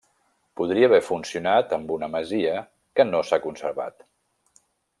Podria haver funcionat amb una masia, que no s’ha conservat.